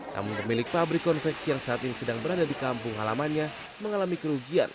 namun pemilik pabrik konveksi yang saat ini sedang berada di kampung halamannya mengalami kerugian